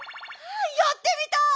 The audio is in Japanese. やってみたい！